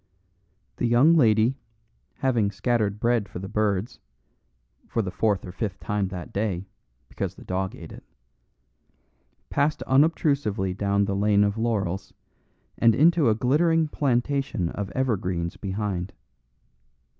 The young lady, having scattered bread for the birds (for the fourth or fifth time that day, because the dog ate it), passed unobtrusively down the lane of laurels and into a glimmering plantation of evergreens behind.